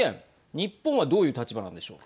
日本はどういう立場なんでしょうか。